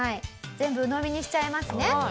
全部鵜呑みにしちゃいますね。